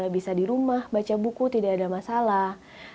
bisa di rumah baca buku tidak ada masalah